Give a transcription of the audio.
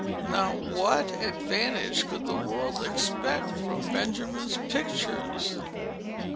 Now, what advantage could the world expect from Benjamin's pictures?